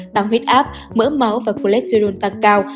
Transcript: tăng huyết áp mỡ máu và cholesterol tăng cao